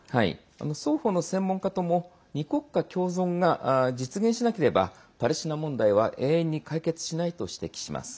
双方の専門家とも２国家共存が実現しなければパレスチナ問題は永遠に解決しないと指摘します。